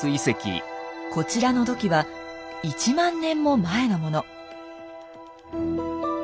こちらの土器は１万年も前のもの。